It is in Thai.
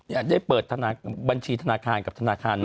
ได้เปิดบัญชีธนาคารกับธนาคาร